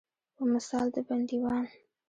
په مثال د بندیوان.